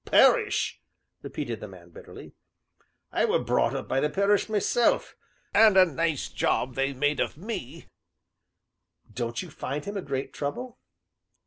"Parish!" repeated the man bitterly. "I were brought up by the parish myself and a nice job they made o' me!" "Don't you find him a great trouble?"